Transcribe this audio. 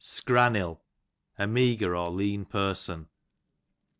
Scrannil, a meagre or lean person.